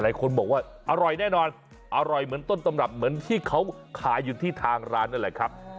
หลายคนบอกว่าอร่อยแน่นอนอร่อยเหมือนต้นตำรับเหมือนที่เขาขายอยู่ที่ทางร้านนั่นแหละครับ